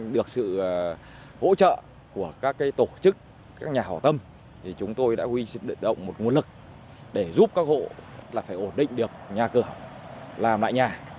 được sự hỗ trợ của các tổ chức các nhà hỏa tâm chúng tôi đã quy sinh động một nguồn lực để giúp các hộ phải ổn định được nhà cửa làm lại nhà